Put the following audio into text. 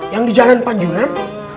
yang di jalan panjungan